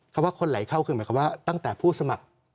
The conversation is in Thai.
ว่าคนไหลเข้าคือหมายความว่าตั้งแต่ผู้สมัคร